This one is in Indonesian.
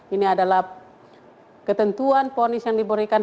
ini adalah ketentuan ponis yang diberikan